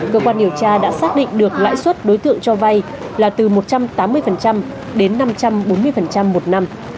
cơ quan điều tra đã xác định được lãi suất đối tượng cho vay là từ một trăm tám mươi đến năm trăm bốn mươi một năm